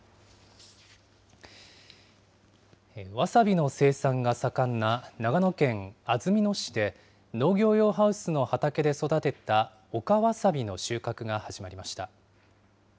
わさびの生産が盛んな長野県安曇野市で農業用ハウスの畑で育てた陸わさびの収穫が始まりました。